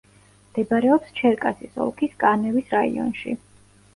მდებარეობს ჩერკასის ოლქის კანევის რაიონში.